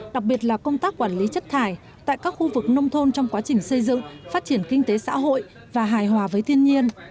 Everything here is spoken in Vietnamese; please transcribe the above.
đặc biệt là công tác quản lý chất thải tại các khu vực nông thôn trong quá trình xây dựng phát triển kinh tế xã hội và hài hòa với thiên nhiên